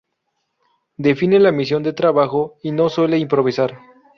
Define la misión de trabajo y no suele improvisar.